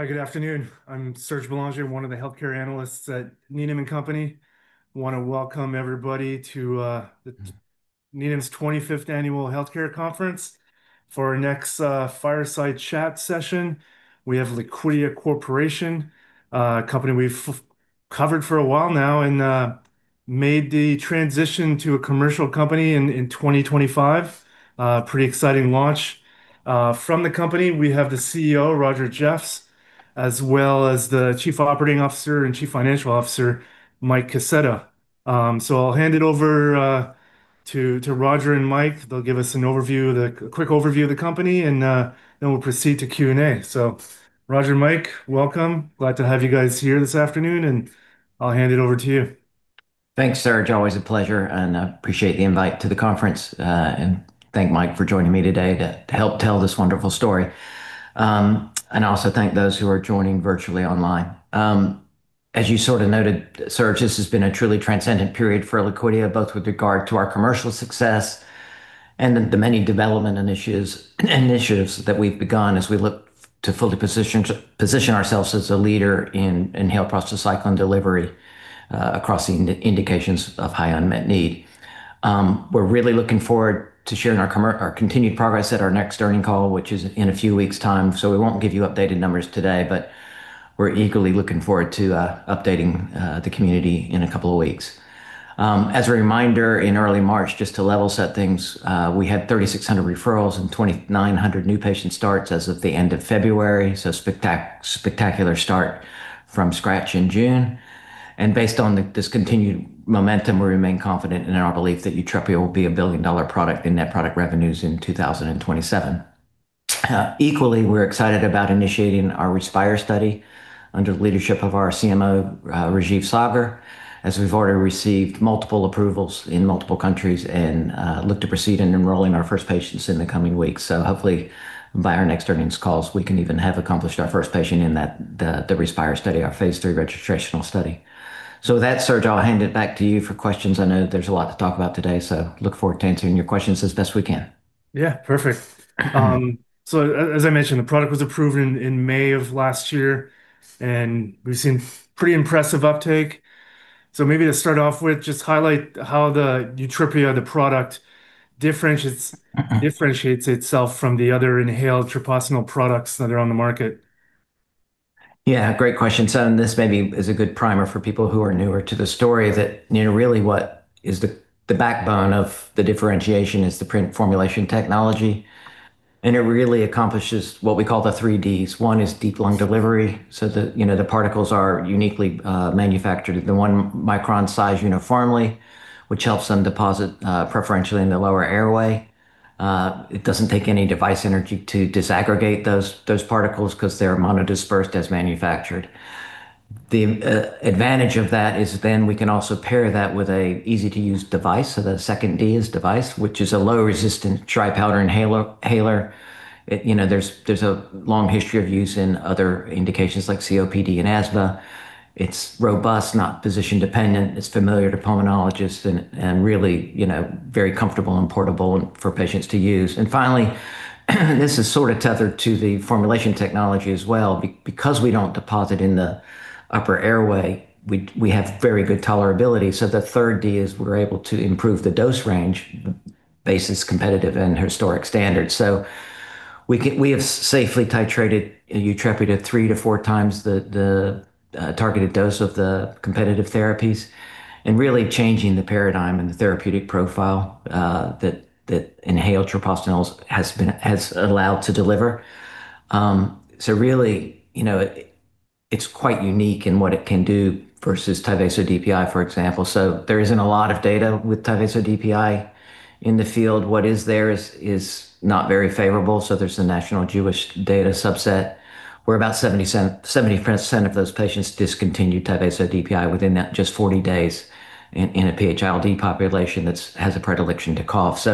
Hi, good afternoon. I'm Serge Bélanger, one of the healthcare analysts at Needham & Company. I want to welcome everybody to Needham's 25th Annual Healthcare Conference. For our next fireside chat session, we have Liquidia Corporation, a company we've covered for a while now, and made the transition to a commercial company in 2025. Pretty exciting launch. From the company, we have the CEO, Roger Jeffs, as well as the Chief Operating Officer and Chief Financial Officer, Mike Kaseta. I'll hand it over to Roger and Mike. They'll give us a quick overview of the company, and then we'll proceed to Q&A. Roger and Mike, welcome. I'm glad to have you guys here this afternoon, and I'll hand it over to you. Thanks, Serge. Always a pleasure, and appreciate the invite to the conference. Thank Mike for joining me today to help tell this wonderful story. Also thank those who are joining virtually online. As you sort of noted, Serge, this has been a truly transcendent period for Liquidia, both with regard to our commercial success and the many development initiatives that we've begun as we look to fully position ourselves as a leader in inhaled prostacyclin delivery across the indications of high unmet need. We're really looking forward to sharing our continued progress at our next earnings call, which is in a few weeks' time, so we won't give you updated numbers today, but we're eagerly looking forward to updating the community in a couple of weeks. As a reminder, in early March, just to level set things, we had 3,600 referrals and 2,900 new patient starts as of the end of February, so spectacular start from scratch in June. Based on this continued momentum, we remain confident in our belief that YUTREPIA will be a billion-dollar product in net product revenues in 2027. Equally, we're excited about initiating our RESPIRE study under the leadership of our CMO, Rajeev Saggar, as we've already received multiple approvals in multiple countries and look to proceed in enrolling our first patients in the coming weeks. Hopefully, by our next earnings calls, we can even have accomplished our first patient in the RESPIRE study, our phase III registrational study. With that, Serge, I'll hand it back to you for questions. I know there's a lot to talk about today. I look forward to answering your questions as best we can. Yeah. Perfect. As I mentioned, the product was approved in May of last year, and we've seen pretty impressive uptake. Maybe to start off with, just highlight how the YUTREPIA, the product, differentiates itself from the other inhaled treprostinil products that are on the market. Yeah. Great question. This maybe is a good primer for people who are newer to the story that really what is the backbone of the differentiation is the PRINT formulation technology, and it really accomplishes what we call the three Ds. One is deep lung delivery, so the particles are uniquely manufactured at the one micron size uniformly, which helps them deposit preferentially in the lower airway. It doesn't take any device energy to disaggregate those particles because they're monodisperse as manufactured. The advantage of that is then we can also pair that with a easy-to-use device, so the second D is device, which is a low-resistance dry powder inhaler. There's a long history of use in other indications like COPD and asthma. It's robust, not physician-dependent, it's familiar to pulmonologists, and really very comfortable and portable for patients to use. Finally, this is sort of tethered to the formulation technology as well. Because we don't deposit in the upper airway, we have very good tolerability, so the third D is we're able to improve the dose range versus competitive and historic standards. We have safely titrated YUTREPIA to 3-4x the targeted dose of the competitive therapies, and really changing the paradigm and the therapeutic profile that inhaled treprostinil has allowed to deliver. Really it's quite unique in what it can do versus Tyvaso DPI, for example. There isn't a lot of data with Tyvaso DPI in the field. What is there is not very favorable, so there's the National Jewish data subset, where about 70% of those patients discontinued Tyvaso DPI within that just 40 days in a PH-ILD population that has a predilection to cough.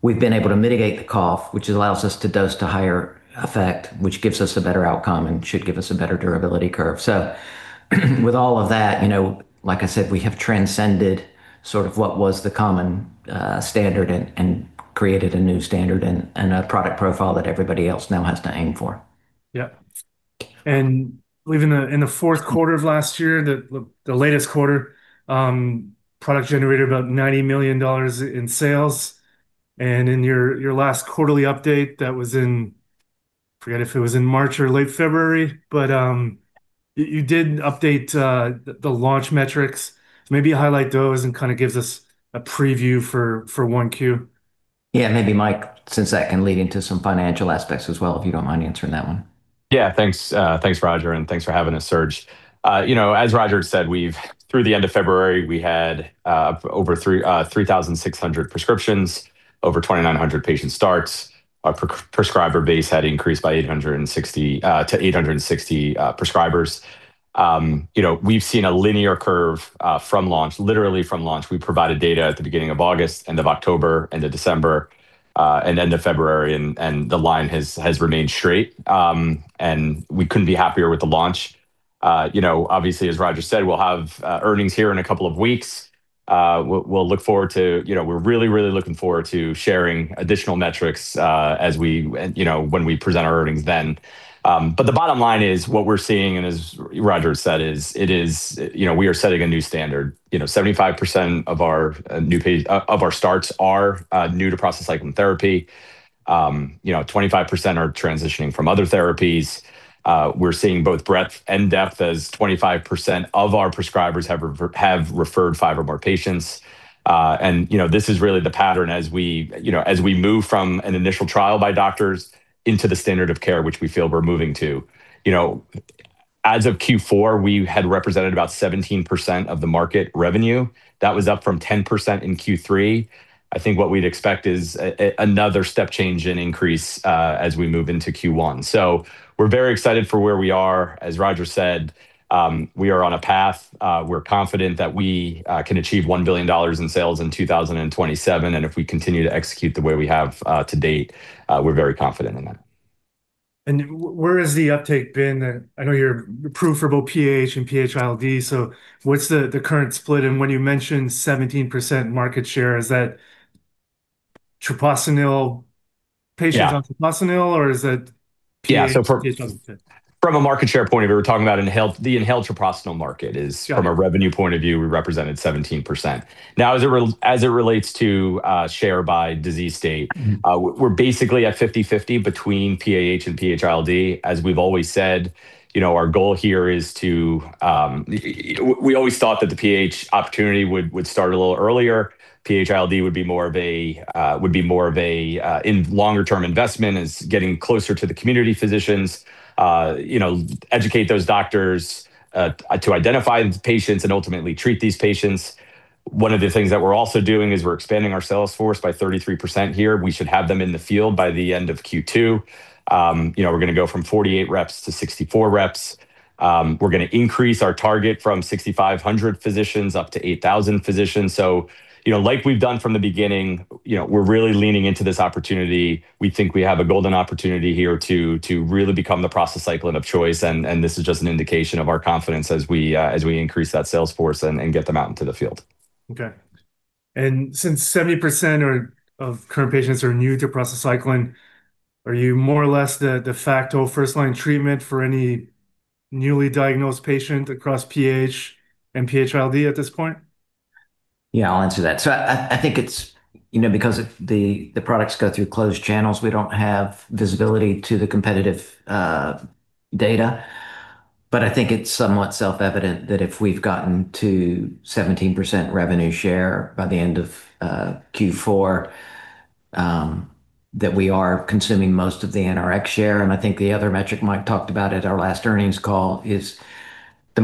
We've been able to mitigate the cough, which allows us to dose to higher effect, which gives us a better outcome and should give us a better durability curve. With all of that, like I said, we have transcended sort of what was the common standard and created a new standard and a product profile that everybody else now has to aim for. Yeah. I believe in the fourth quarter of last year, the latest quarter, product generated about $90 million in sales. In your last quarterly update, forget if it was in March or late February, but you did update the launch metrics. Maybe highlight those and kind of gives us a preview for 1Q. Yeah. Maybe Mike, since that can lead into some financial aspects as well, if you don't mind answering that one. Yeah, thanks. Thanks, Roger, and thanks for having us, Serge. As Roger said, through the end of February, we had over 3,600 prescriptions, over 2,900 patient starts. Our prescriber base had increased to 860 prescribers. We've seen a linear curve from launch, literally from launch. We provided data at the beginning of August, end of October, end of December, and end of February, and the line has remained straight, and we couldn't be happier with the launch. Obviously, as Roger said, we'll have earnings here in a couple of weeks. We're really looking forward to sharing additional metrics when we present our earnings then. The bottom line is what we're seeing, and as Roger said, we are setting a new standard. 75% of our starts are new to prostacyclin therapy. 25% are transitioning from other therapies. We're seeing both breadth and depth as 25% of our prescribers have referred five or more patients. This is really the pattern as we move from an initial trial by doctors into the standard of care, which we feel we're moving to. As of Q4, we had represented about 17% of the market revenue. That was up from 10% in Q3. I think what we'd expect is another step change in increase as we move into Q1. We're very excited for where we are. As Roger said, we are on a path. We're confident that we can achieve $1 billion in sales in 2027. If we continue to execute the way we have to date, we're very confident in that. Where has the uptake been? I know you're approved for both PAH and PH-ILD, so what's the current split? When you mention 17% market share, is that treprostinil patients? Yeah On treprostinil or is it? Yeah PAH patients? From a market share point of view, we're talking about the inhaled treprostinil market. Sure... from a revenue point of view, we represented 17%. Now, as it relates to share by disease state- Mm-hmm We're basically at 50/50 between PAH and PH-ILD. As we've always said, we always thought that the PH opportunity would start a little earlier. PH-ILD would be more of a longer-term investment, is getting closer to the community physicians, educate those doctors to identify patients and ultimately treat these patients. One of the things that we're also doing is we're expanding our sales force by 33% here. We should have them in the field by the end of Q2. We're going to go from 48 reps to 64 reps. We're going to increase our target from 6,500 physicians up to 8,000 physicians. Like we've done from the beginning, we're really leaning into this opportunity. We think we have a golden opportunity here to really become the prostacyclin of choice, and this is just an indication of our confidence as we increase that sales force and get them out into the field. Okay. Since 70% of current patients are new to prostacyclin, are you more or less the de facto first-line treatment for any newly diagnosed patient across PAH and PH-ILD at this point? Yeah, I'll answer that. I think it's because the products go through closed channels, we don't have visibility to the competitive data. I think it's somewhat self-evident that if we've gotten to 17% revenue share by the end of Q4, that we are consuming most of the NRx share. I think the other metric Mike talked about at our last earnings call is the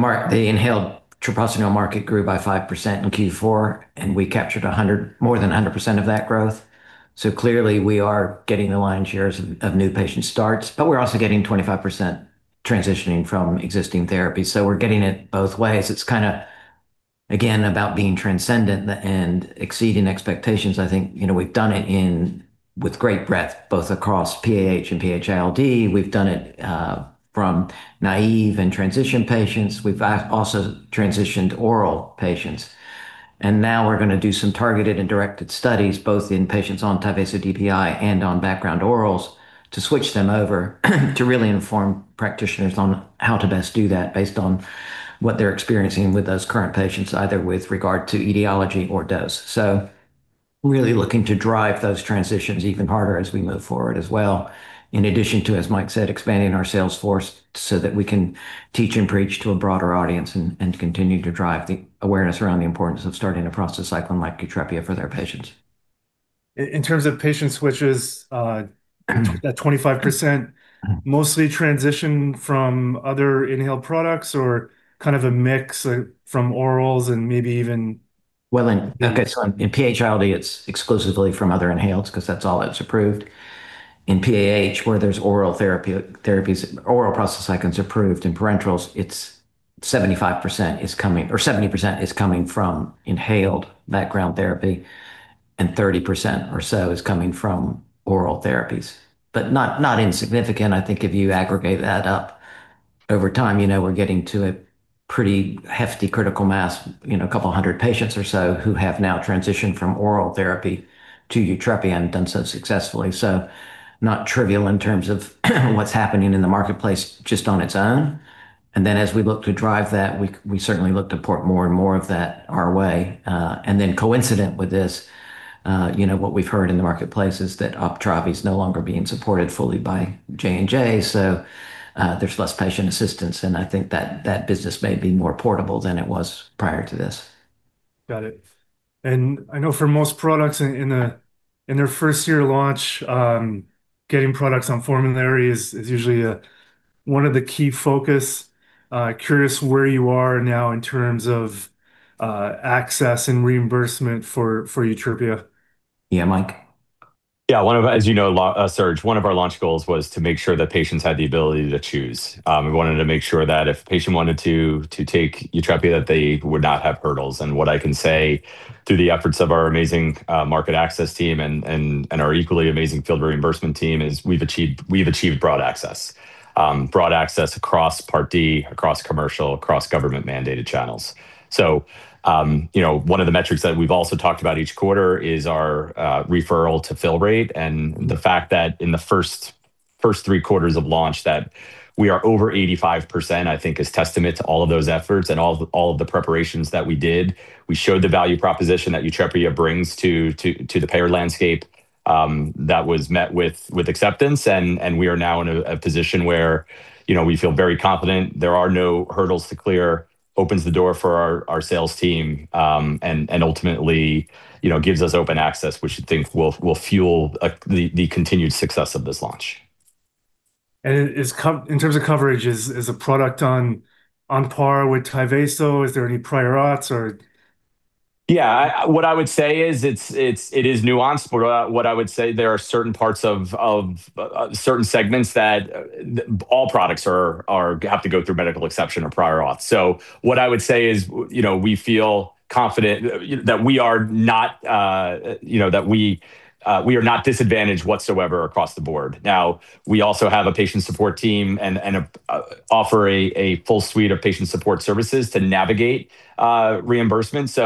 inhaled treprostinil market grew by 5% in Q4, and we captured more than 100% of that growth. Clearly we are getting the lion's share of new patient starts, but we're also getting 25% transitioning from existing therapies. We're getting it both ways. It's kind of, again, about being transcendent and exceeding expectations. I think we've done it with great breadth, both across PAH and PH-ILD. We've done it from naive and transition patients. We've also transitioned oral patients. Now we're going to do some targeted and directed studies, both in patients on Tyvaso DPI and on background orals to switch them over to really inform practitioners on how to best do that based on what they're experiencing with those current patients, either with regard to etiology or dose. Really looking to drive those transitions even harder as we move forward as well, in addition to, as Mike said, expanding our sales force so that we can teach and preach to a broader audience and continue to drive the awareness around the importance of starting a prostacyclin like YUTREPIA for their patients. In terms of patient switches, that 25% mostly transition from other inhaled products or kind of a mix from orals and maybe even. Well, in PH-ILD, it's exclusively from other inhaled because that's all that's approved. In PAH, where there's oral therapies, oral prostacyclins approved, and parenterals, 70% is coming from inhaled background therapy, and 30% or so is coming from oral therapies. Not insignificant. I think if you aggregate that up over time, we're getting to a pretty hefty critical mass, a couple of 100 patients or so who have now transitioned from oral therapy to YUTREPIA and done so successfully. Not trivial in terms of what's happening in the marketplace just on its own. As we look to drive that, we certainly look to port more and more of that our way. Coincident with this, what we've heard in the marketplace is that Uptravi's no longer being supported fully by J&J, so there's less patient assistance, and I think that that business may be more portable than it was prior to this. Got it. I know for most products in their first year of launch, getting products on formulary is usually one of the key focus. Curious where you are now in terms of access and reimbursement for YUTREPIA? Yeah. Mike? Yeah. As you know, Serge, one of our launch goals was to make sure that patients had the ability to choose. We wanted to make sure that if a patient wanted to take YUTREPIA, that they would not have hurdles. What I can say through the efforts of our amazing market access team and our equally amazing field reimbursement team is we've achieved broad access. Broad access across Part D, across commercial, across government-mandated channels. One of the metrics that we've also talked about each quarter is our referral to fill rate and the fact that in the first three quarters of launch, that we are over 85%, I think is testament to all of those efforts and all of the preparations that we did. We showed the value proposition that YUTREPIA brings to the payer landscape. That was met with acceptance. We are now in a position where we feel very confident. There are no hurdles to clear, opens the door for our sales team, and ultimately gives us open access, which we think will fuel the continued success of this launch. In terms of coverage, is the product on par with Tyvaso? Is there any prior auths? Yeah. What I would say is it is nuanced, but what I would say there are certain segments that all products have to go through medical exception or prior auth. What I would say is, we feel confident that we are not disadvantaged whatsoever across the board. Now, we also have a patient support team and offer a full suite of patient support services to navigate reimbursement.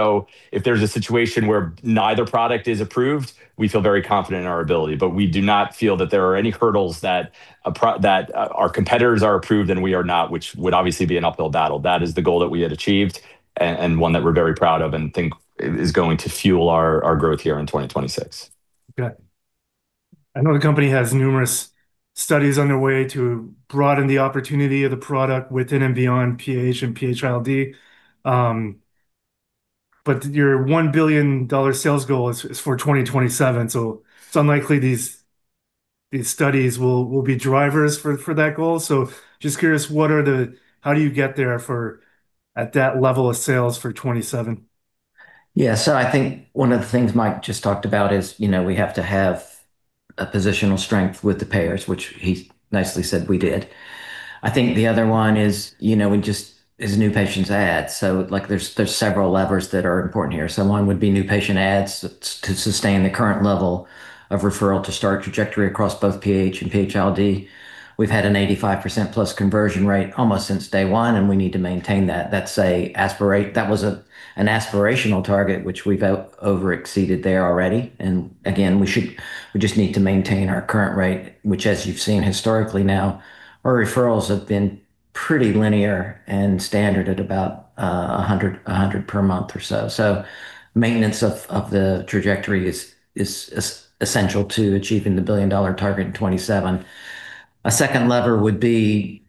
If there's a situation where neither product is approved, we feel very confident in our ability. We do not feel that there are any hurdles that our competitors are approved and we are not, which would obviously be an uphill battle. That is the goal that we had achieved and one that we're very proud of and think is going to fuel our growth here in 2026. Okay. I know the company has numerous studies underway to broaden the opportunity of the product within and beyond PAH and PH-ILD. Your $1 billion sales goal is for 2027, so it's unlikely these studies will be drivers for that goal. Just curious, how do you get there at that level of sales for 2027? Yeah. I think one of the things Mike just talked about is we have to have a positional strength with the payers, which he nicely said we did. I think the other one is new patient adds. There's several levers that are important here. One would be new patient adds to sustain the current level of referral-to-start trajectory across both PAH and PH-ILD. We've had an 85%-plus conversion rate almost since day one, and we need to maintain that. That was an aspirational target, which we've over-exceeded there already. Again, we just need to maintain our current rate, which as you've seen historically now, our referrals have been pretty linear and standard at about 100 per month or so. Maintenance of the trajectory is essential to achieving the billion-dollar target in 2027. A second lever would be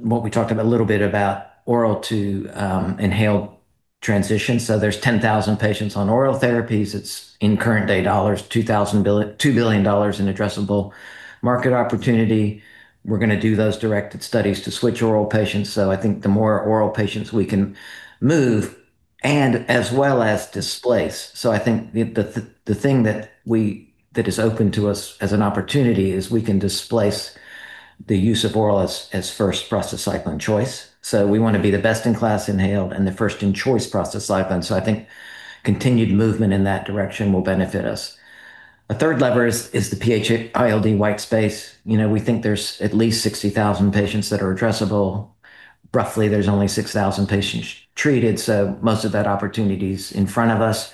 what we talked a little bit about oral-to-inhaled transition. There's 10,000 patients on oral therapies. It's in current-day dollars, $2 billion in addressable market opportunity. We're going to do those directed studies to switch oral patients. I think the more oral patients we can move and as well as displace. I think the thing that is open to us as an opportunity is we can displace the use of oral as first prostacyclin choice. We want to be the best-in-class inhaled and the first-in-choice prostacyclin. I think continued movement in that direction will benefit us. A third lever is the PH-ILD white space. We think there's at least 60,000 patients that are addressable. Roughly, there's only 6,000 patients treated, so most of that opportunity is in front of us.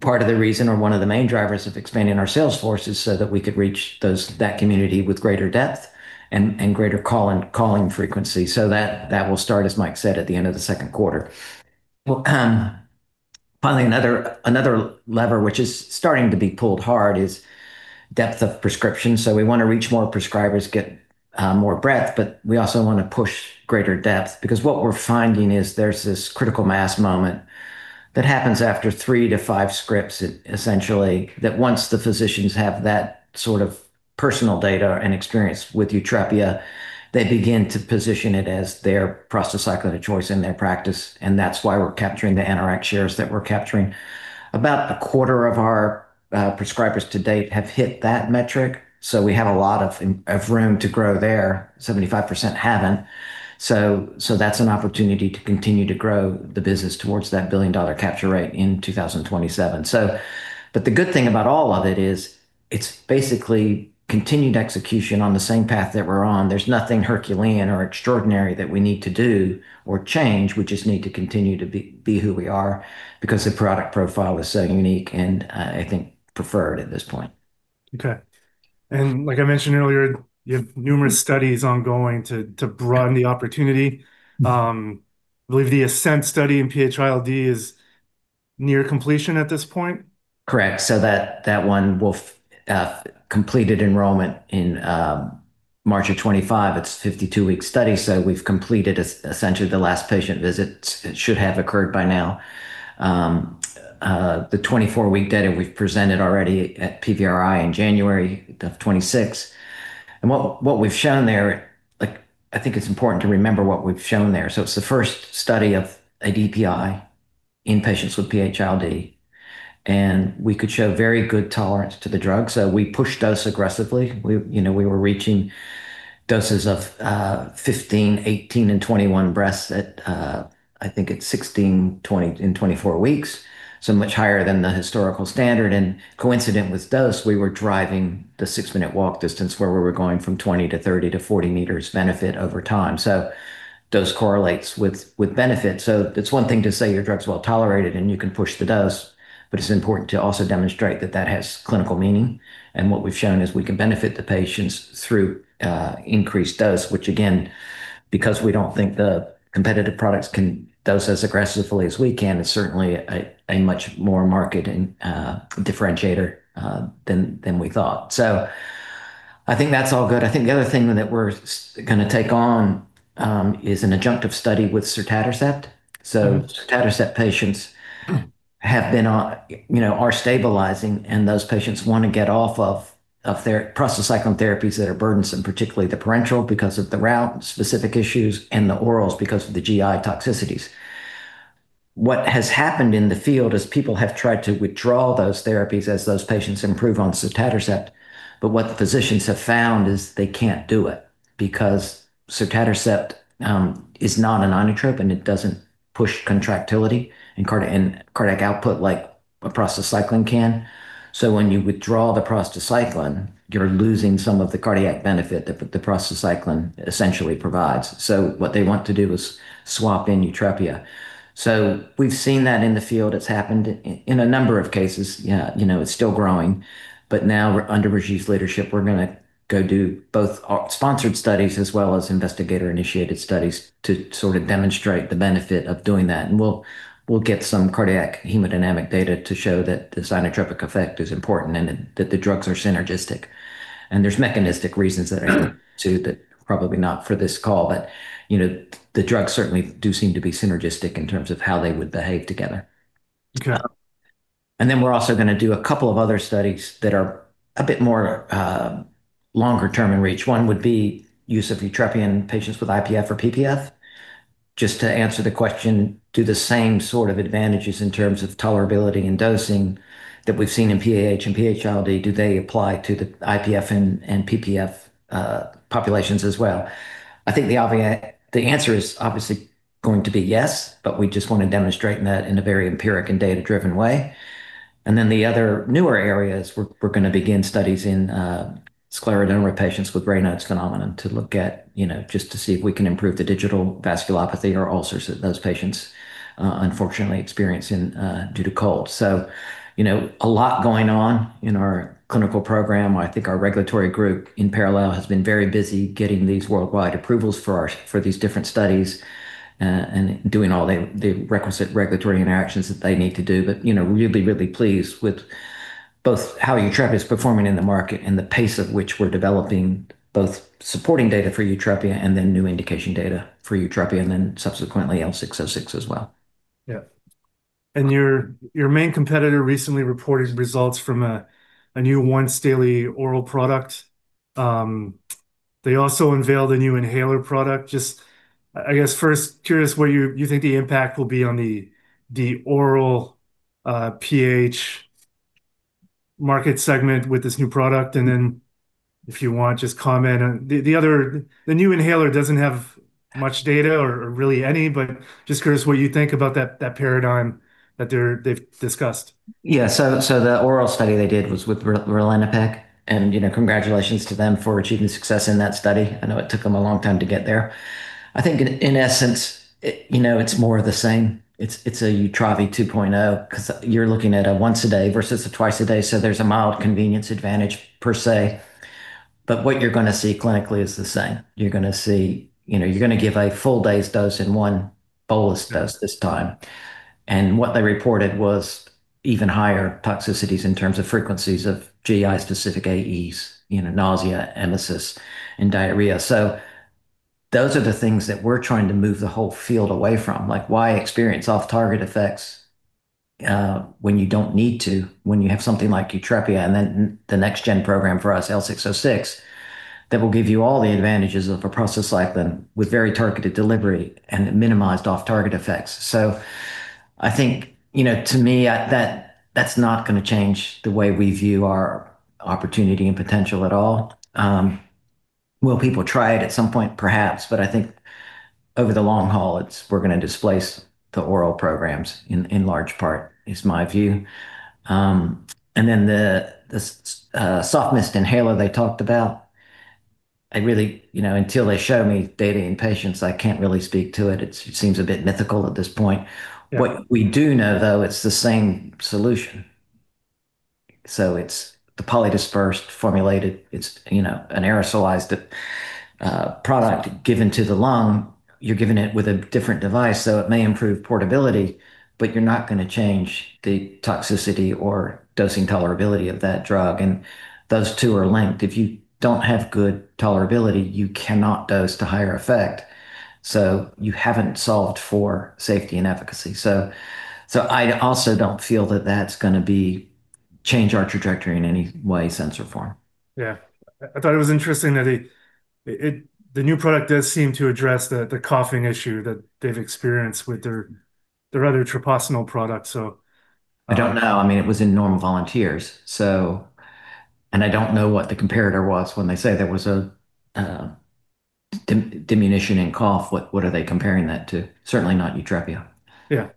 Part of the reason or one of the main drivers of expanding our sales force is so that we could reach that community with greater depth and greater calling frequency. That will start, as Mike said, at the end of the second quarter. Well, finally, another lever which is starting to be pulled hard is depth of prescription. We want to reach more prescribers, get more breadth, but we also want to push greater depth because what we're finding is there's this critical mass moment that happens after 3-5 scripts, essentially, that once the physicians have that sort of personal data and experience with YUTREPIA, they begin to position it as their prostacyclin of choice in their practice, and that's why we're capturing the NRx shares that we're capturing. About 1/4 of our prescribers to date have hit that metric, so we have a lot of room to grow there. 75% haven't. That's an opportunity to continue to grow the business towards that billion-dollar capture rate in 2027. The good thing about all of it is it's basically continued execution on the same path that we're on. There's nothing Herculean or extraordinary that we need to do or change. We just need to continue to be who we are because the product profile is so unique and I think preferred at this point. Okay. Like I mentioned earlier, you have numerous studies ongoing to broaden the opportunity. I believe the ASCENT study in PH-ILD is near completion at this point? Correct. So that one will completed enrollment in March of 2025. It's a 52-week study, so we've completed essentially the last patient visit should have occurred by now. The 24-week data we've presented already at PVRI in January of 2026.And what we've shown there, I think it's important to remember what we've shown there. So it's the first study of a DPI in patients with PH-ILD, and we could show very good tolerance to the drug. So we pushed dose aggressively. We were reaching doses of 15, 18, and 21 breaths at, I think it's 16, 20, and 24 weeks, so much higher than the historical standard. And coincident with dose, we were driving the six-minute walk distance where we were going from 20 to 30 to 40 meters benefit over time. So dose correlates with benefit. It's one thing to say your drug's well-tolerated and you can push the dose, but it's important to also demonstrate that that has clinical meaning. What we've shown is we can benefit the patients through increased dose, which again, because we don't think the competitive products can dose as aggressively as we can, it's certainly a much more marketing differentiator than we thought. I think that's all good. I think the other thing that we're going to take on is an adjunctive study with sotatercept. Sotatercept patients are stabilizing, and those patients want to get off of their prostacyclin therapies that are burdensome, particularly the parenteral, because of the route-specific issues, and the orals because of the GI toxicities. What has happened in the field is people have tried to withdraw those therapies as those patients improve on sotatercept, but what the physicians have found is they can't do it because sotatercept is not an inotrope, and it doesn't push contractility and cardiac output like a prostacyclin can. When you withdraw the prostacyclin, you're losing some of the cardiac benefit that the prostacyclin essentially provides. What they want to do is swap in YUTREPIA. We've seen that in the field. It's happened in a number of cases. It's still growing, but now under Rajeev's leadership, we're going to go do both sponsored studies as well as investigator-initiated studies to sort of demonstrate the benefit of doing that. We'll get some cardiac hemodynamic data to show that this inotropic effect is important and that the drugs are synergistic. There's mechanistic reasons that I can see that probably not for this call, but the drugs certainly do seem to be synergistic in terms of how they would behave together. Okay. We're also going to do a couple of other studies that are a bit more longer term in reach. One would be use of YUTREPIA in patients with IPF or PPF, just to answer the question, do the same sort of advantages in terms of tolerability and dosing that we've seen in PAH and PH-ILD, do they apply to the IPF and PPF populations as well? I think the answer is obviously going to be yes, but we just want to demonstrate that in a very empiric and data-driven way. The other newer areas, we're going to begin studies in scleroderma patients with Raynaud's phenomenon to look at just to see if we can improve the digital vasculopathy or ulcers that those patients unfortunately experience due to cold. A lot going on in our clinical program. I think our regulatory group in parallel has been very busy getting these worldwide approvals for these different studies and doing all the requisite regulatory interactions that they need to do. Really, really pleased with both how YUTREPIA is performing in the market and the pace at which we're developing both supporting data for YUTREPIA and then new indication data for YUTREPIA, and then subsequently L606 as well. Yeah. Your main competitor recently reported results from a new once daily oral product. They also unveiled a new inhaler product. Just, I guess, first, curious what you think the impact will be on the oral PH market segment with this new product, and then if you want, just comment on the other. The new inhaler doesn't have much data or really any, but just curious what you think about that paradigm that they've discussed. Yeah. The oral study they did was with ralinepag, and congratulations to them for achieving success in that study. I know it took them a long time to get there. I think in essence, it's more of the same. It's a Uptravi 2.0 because you're looking at a once a day versus a twice a day, so there's a mild convenience advantage per se. What you're going to see clinically is the same. You're going to give a full day's dose in one bolus dose this time. What they reported was even higher toxicities in terms of frequencies of GI-specific AEs, nausea, emesis, and diarrhea. Those are the things that we're trying to move the whole field away from, like why experience off-target effects when you don't need to when you have something like YUTREPIA and then the next-gen program for us, L606, that will give you all the advantages of a prostacyclin with very targeted delivery and minimized off-target effects. I think, to me, that's not going to change the way we view our opportunity and potential at all. Will people try it at some point? Perhaps. I think over the long haul, we're going to displace the oral programs in large part is my view. The soft mist inhaler they talked about, until they show me data in patients, I can't really speak to it. It seems a bit mythical at this point. Yeah. What we do know, though, it's the same solution. It's the polydispersed formulated. It's an aerosolized product given to the lung. You're giving it with a different device, so it may improve portability, but you're not going to change the toxicity or dosing tolerability of that drug. Those two are linked. If you don't have good tolerability, you cannot dose to higher effect. You haven't solved for safety and efficacy. I also don't feel that that's going to change our trajectory in any way, sense, or form. Yeah. I thought it was interesting that the new product does seem to address the coughing issue that they've experienced with their other treprostinil product. I don't know. It was in normal volunteers. I don't know what the comparator was when they say there was a diminution in cough. What are they comparing that to? Certainly not YUTREPIA. Yeah,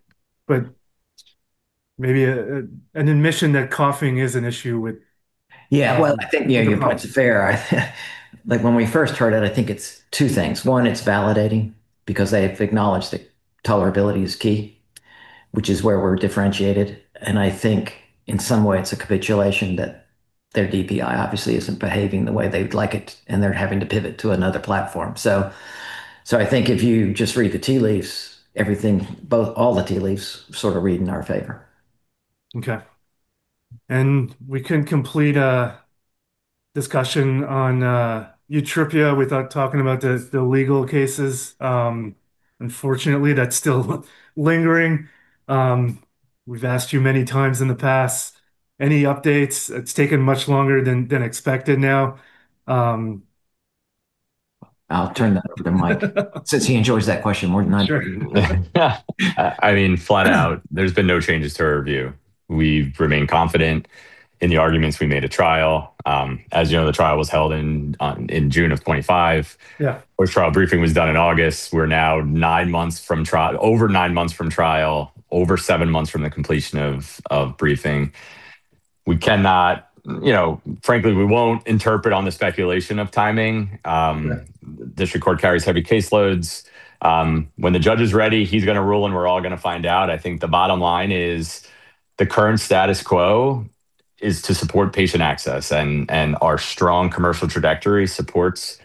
maybe an admission that coughing is an issue with. Yeah. Well, I think your point's fair. When we first heard it, I think it's two things. One, it's validating because they've acknowledged that tolerability is key, which is where we're differentiated. I think in some way, it's a capitulation that their DPI obviously isn't behaving the way they'd like it, and they're having to pivot to another platform. I think if you just read the tea leaves, all the tea leaves sort of read in our favor. Okay. We couldn't complete a discussion on YUTREPIA without talking about the legal cases. Unfortunately, that's still lingering. We've asked you many times in the past for any updates. It's taken much longer than expected now. I'll turn that over to Mike, since he enjoys that question more than I do. Sure. Yeah. Flat out, there's been no changes to our review. We remain confident in the arguments we made at trial. As you know, the trial was held in June of 2025. Yeah. Post-trial briefing was done in August. We're now over nine months from trial, over seven months from the completion of briefing. Frankly, we won't interpret on the speculation of timing. Yeah. District Court carries heavy caseloads. When the Judge is ready, he's going to rule, and we're all going to find out. I think the bottom line is the current status quo is to support patient access, and our strong commercial trajectory supports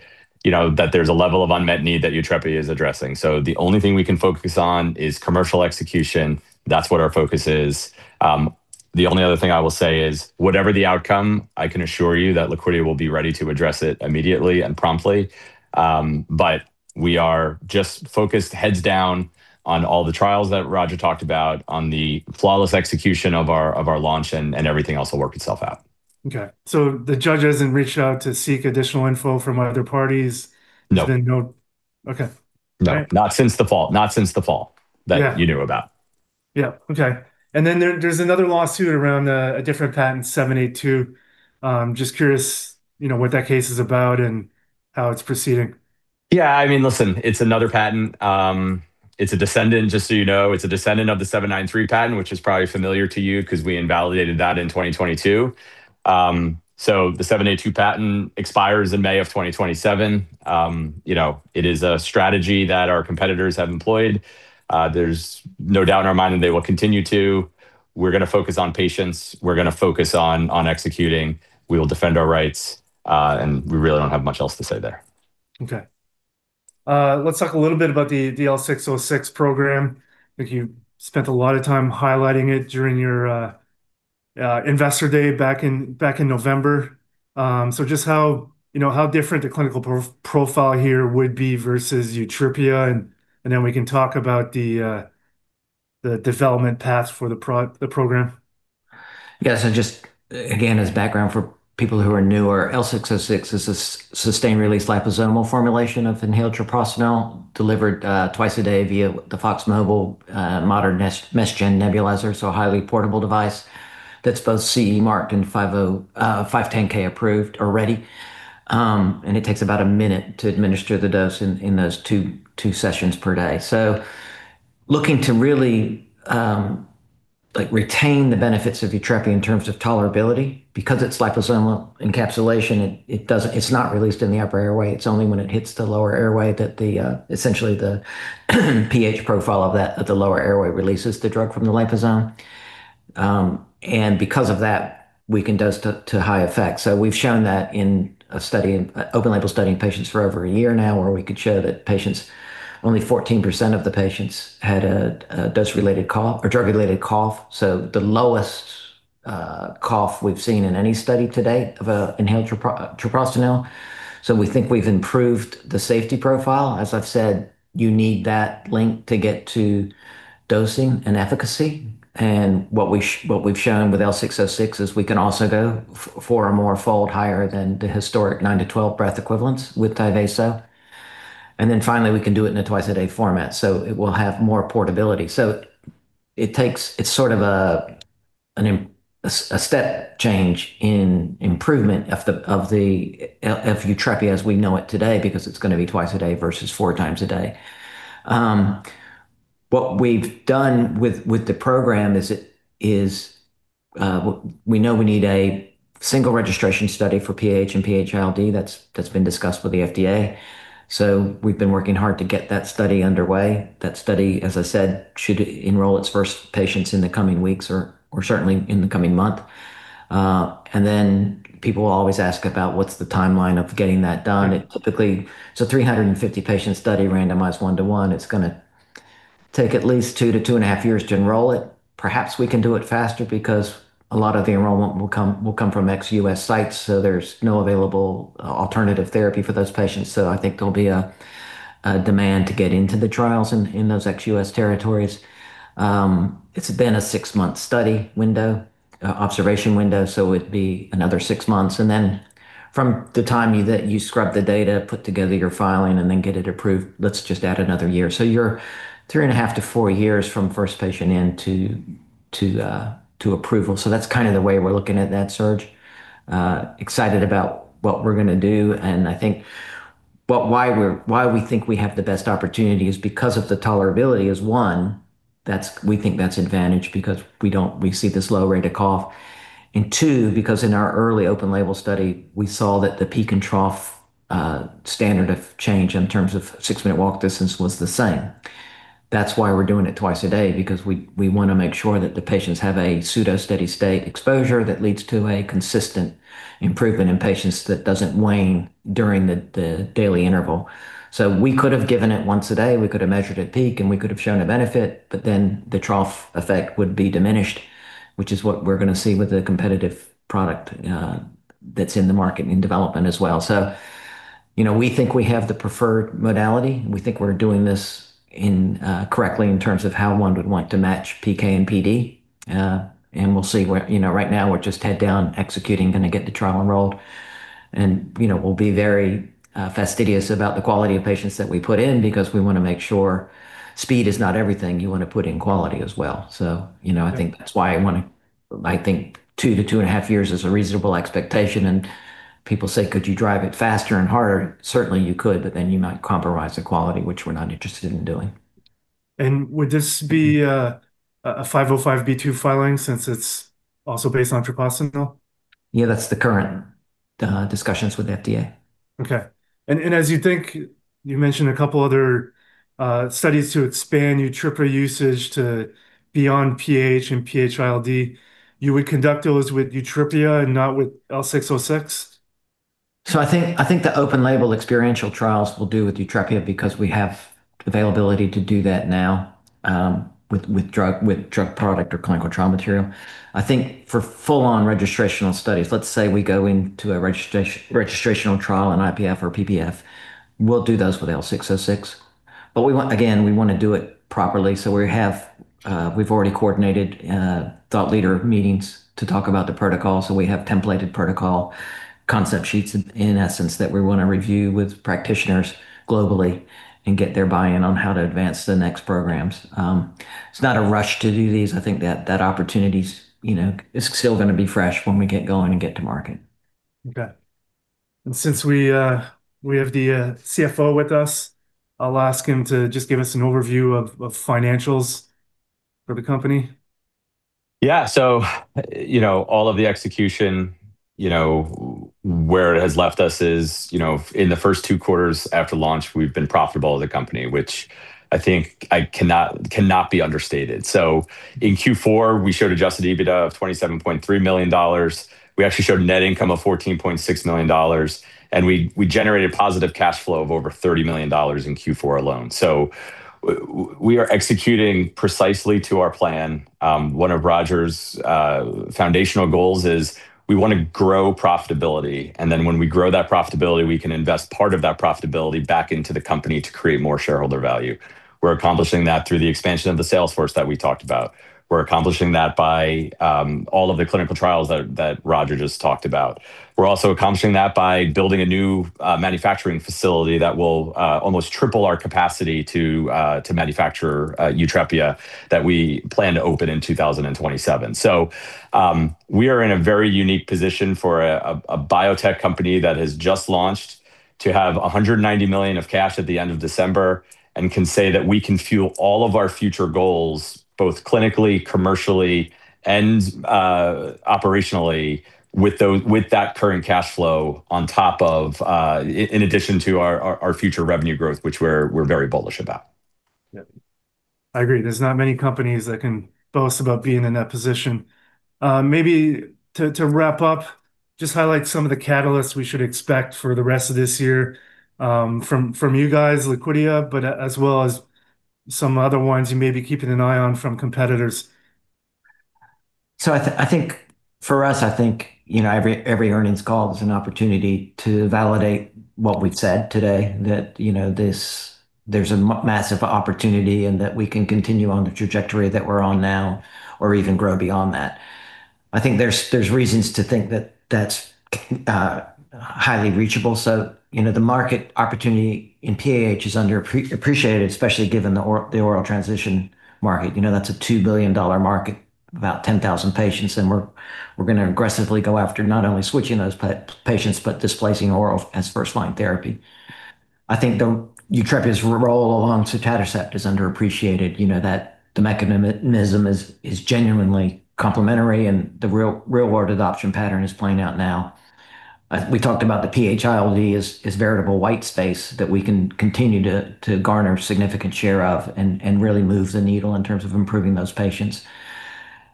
that there's a level of unmet need that YUTREPIA is addressing. The only thing we can focus on is commercial execution. That's what our focus is. The only other thing I will say is, whatever the outcome, I can assure you that Liquidia will be ready to address it immediately and promptly. We are just focused, heads down on all the trials that Roger talked about, on the flawless execution of our launch, and everything else will work itself out. Okay. The Judge hasn't reached out to seek additional info from other parties? No. Okay. All right. Not since the Fall that you knew about. Yeah. Okay. There's another lawsuit around a different patent, '782. Just curious what that case is about and how it's proceeding. Yeah. Listen, it's another patent. Just so you know, it's a descendant of the '793 patent, which is probably familiar to you because we invalidated that in 2022. The '782 patent expires in May of 2027. It is a strategy that our competitors have employed. There's no doubt in our mind that they will continue to. We're going to focus on patients. We're going to focus on executing. We will defend our rights. We really don't have much else to say there. Okay. Let's talk a little bit about the L606 program. You spent a lot of time highlighting it during your Investor Day back in November. Just how different the clinical profile here would be versus YUTREPIA, and then we can talk about the development path for the program. Yes. Just again, as background for people who are newer, L606 is a sustained-release liposomal formulation of inhaled treprostinil delivered twice a day via the Fox Mobile modern next-generation mesh nebulizer, a highly portable device that's both CE marked and 510 approved already. It takes about a minute to administer the dose in those two sessions per day, looking to really retain the benefits of YUTREPIA in terms of tolerability. Because it's liposomal encapsulation, it's not released in the upper airway. It's only when it hits the lower airway that essentially the pH profile of the lower airway releases the drug from the liposome. Because of that, we can dose to high effect. We've shown that in an open-label study in patients for over a year now, where we could show that only 14% of the patients had a drug-related cough. The lowest cough we've seen in any study to date of inhaled treprostinil. We think we've improved the safety profile. As I've said, you need that link to get to dosing and efficacy. What we've shown with L606 is we can also go four-or-more-fold higher than the historic nine-12 breath equivalents with Tyvaso. Finally, we can do it in a twice-a-day format, so it will have more portability. It's sort of a step change in improvement of YUTREPIA as we know it today, because it's going to be twice a day versus 4x a day. What we've done with the program is we know we need a single registration study for PAH and PH-ILD that's been discussed with the FDA. We've been working hard to get that study underway. That study, as I said, should enroll its first patients in the coming weeks or certainly in the coming month. People always ask about what's the timeline of getting that done. It's a 350-patient study, randomized 1/1. It's going to take at least two to two and a half years to enroll it. Perhaps we can do it faster because a lot of the enrollment will come from ex-U.S. sites, so there's no available alternative therapy for those patients. I think there'll be a demand to get into the trials in those ex-U.S. territories. It's a six-month study window, observation window, so it would be another six months, and then from the time you scrub the data, put together your filing, and then get it approved, let's just add another year. You're three and a half to four years from first patient in to approval. That's kind of the way we're looking at that, Serge. We're excited about what we're going to do. I think why we think we have the best opportunity is because of the tolerability is one, we think that's advantage because we see this low rate of cough, and two, because in our early open-label study, we saw that the peak and trough standard of change in terms of six-minute walk distance was the same. That's why we're doing it twice a day, because we want to make sure that the patients have a pseudo-steady-state exposure that leads to a consistent improvement in patients that doesn't wane during the daily interval. We could have given it once a day, we could have measured a peak, and we could have shown a benefit, but then the trough effect would be diminished, which is what we're going to see with a competitive product that's in the market in development as well. We think we have the preferred modality. We think we're doing this correctly in terms of how one would like to match PK and PD, and we'll see. Right now, we're just head down executing, going to get the trial enrolled. We'll be very fastidious about the quality of patients that we put in because we want to make sure speed is not everything you want to put in quality as well. I think that's why I think two to two and a half years is a reasonable expectation, and people say, "Could you drive it faster and harder?" Certainly you could, but then you might compromise the quality, which we're not interested in doing. Would this be a 505(b)(2) filing since it's also based on treprostinil? Yeah, that's the current discussions with FDA. Okay. As you think, you mentioned a couple other studies to expand YUTREPIA usage to beyond PAH and PH-ILD, you would conduct those with YUTREPIA and not with L606? I think the open-label experiential trials we'll do with YUTREPIA because we have availability to do that now with drug product or clinical trial material. I think for full-on registrational studies, let's say we go into a registrational trial in IPF or PPF, we'll do those with L606. Again, we want to do it properly, so we've already coordinated thought leader meetings to talk about the protocol. We have templated protocol concept sheets, in essence, that we want to review with practitioners globally and get their buy-in on how to advance the next programs. It's not a rush to do these. I think that opportunity is still going to be fresh when we get going and get to market. Okay. Since we have the CFO with us, I'll ask him to just give us an overview of financials for the company. Yeah, all of the execution, where it has left us is, in the first two quarters after launch, we've been profitable as a company, which I think cannot be understated. In Q4, we showed adjusted EBITDA of $27.3 million. We actually showed net income of $14.6 million, and we generated positive cash flow of over $30 million in Q4 alone. We are executing precisely to our plan. One of Roger's foundational goals is we want to grow profitability, and then when we grow that profitability, we can invest part of that profitability back into the company to create more shareholder value. We're accomplishing that through the expansion of the sales force that we talked about. We're accomplishing that by all of the clinical trials that Roger just talked about. We're also accomplishing that by building a new manufacturing facility that will almost triple our capacity to manufacture YUTREPIA that we plan to open in 2027. We are in a very unique position for a biotech company that has just launched to have $190 million of cash at the end of December and can say that we can fuel all of our future goals, both clinically, commercially, and operationally with that current cash flow in addition to our future revenue growth, which we're very bullish about. Yeah, I agree. There's not many companies that can boast about being in that position. Maybe to wrap up, just highlight some of the catalysts we should expect for the rest of this year from you guys, Liquidia, but as well as some other ones you may be keeping an eye on from competitors. I think for us, I think every earnings call is an opportunity to validate what we've said today, that there's a massive opportunity and that we can continue on the trajectory that we're on now or even grow beyond that. I think there's reasons to think that that's highly reachable. The market opportunity in PAH is underappreciated, especially given the oral transition market. That's a $2 billion market, about 10,000 patients, and we're going to aggressively go after not only switching those patients, but displacing oral as first-line therapy. I think YUTREPIA's role along sotatercept is underappreciated, that the mechanism is genuinely complementary and the real-world adoption pattern is playing out now. We talked about the PH-ILD is veritable white space that we can continue to garner significant share of and really move the needle in terms of improving those patients.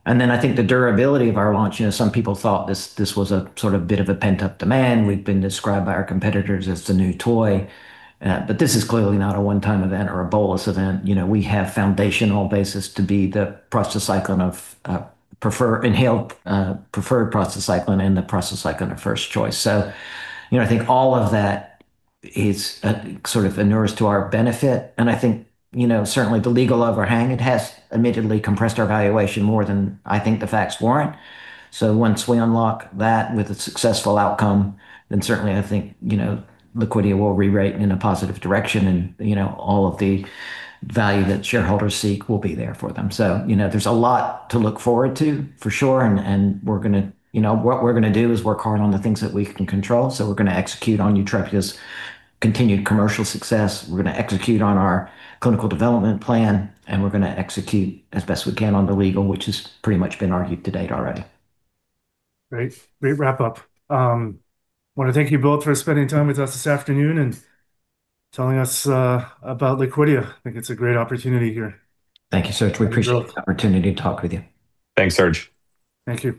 I think the durability of our launch, some people thought this was a sort of bit of a pent-up demand. We've been described by our competitors as the new toy. This is clearly not a one-time event or a bolus event. We have foundational basis to be the prostacyclin of preferred inhaled, preferred prostacyclin, and the prostacyclin of first choice. I think all of that is sort of inures to our benefit. I think certainly the legal overhang, it has admittedly compressed our valuation more than I think the facts warrant. Once we unlock that with a successful outcome, then certainly I think Liquidia will re-rate in a positive direction, and all of the value that shareholders seek will be there for them. There's a lot to look forward to for sure, and what we're going to do is work hard on the things that we can control. We're going to execute on YUTREPIA's continued commercial success. We're going to execute on our clinical development plan, and we're going to execute as best we can on the legal, which has pretty much been argued to date already. Great. Great wrap-up. I want to thank you both for spending time with us this afternoon and telling us about Liquidia. I think it's a great opportunity here. Thank you, Serge. We appreciate the opportunity to talk with you. Thanks, Serge. Thank you.